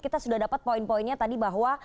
kita sudah dapat poin poinnya tadi bahwa